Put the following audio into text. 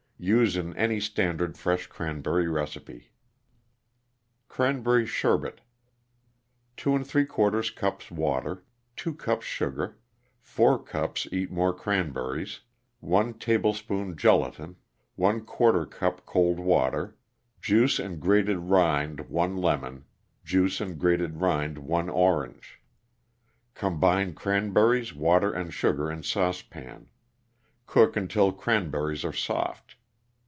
Use in any standard fresh cranberry recipe. Cranberry Sherbet 2┬Š cups water 2 cups sugar 4 cups Eatmor Cranberries (one bag or box) 1 tablespoon gelatin (1 envelope) ┬╝ cup cold water Juice and grated rind 1 lemon Juice and grated rind 1 orange Combine cranberries, water and sugar in saucepan. Cook until cranberries are soft.